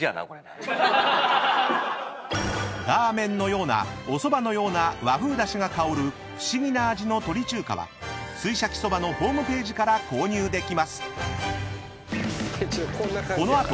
［ラーメンのようなおそばのような和風ダシが香る不思議な味の鳥中華は水車生そばのホームページから購入できます］